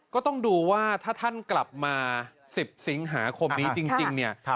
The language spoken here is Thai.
ก็ต้องดูว่าถ้าท่านกลับมา๑๐สิงหาคมนี้จริงเนี่ย